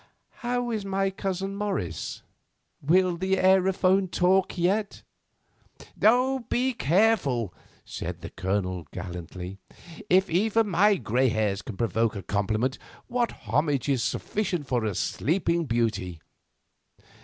How is my cousin Morris? Will the aerophone talk yet?" "Be careful," said the Colonel, gallantly. "If even my grey hairs can provoke a compliment, what homage is sufficient for a Sleeping Beauty?